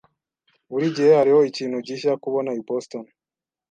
Burigihe hariho ikintu gishya kubona i Boston.